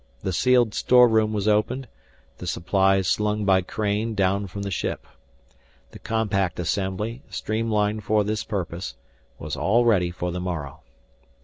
The sealed storeroom was opened, the supplies slung by crane down from the ship. The compact assembly, streamlined for this purpose, was all ready for the morrow.